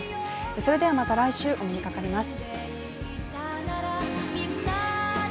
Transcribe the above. それでは、また来週お目にかかります。